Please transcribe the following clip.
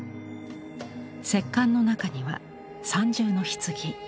石棺の中には三重の棺。